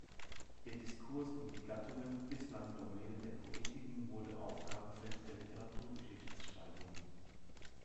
Der Diskurs über die Gattungen, bislang Domäne der Poetiken wurde Aufgabenfeld der Literaturgeschichtsschreibung.